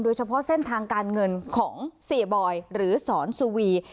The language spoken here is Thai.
โดยเฉพาะเส้นทางการเงินของเสียบอยหรือสอนสูวี